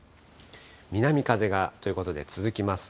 南風が、ということで続きます。